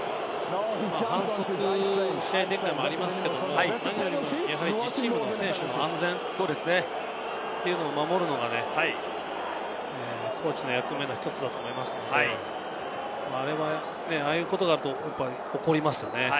反則の試合展開もありますけれども、自チームの選手の安全というのを守るのがコーチの役目の１つだと思いますので、ああいうことがあると怒りますよね。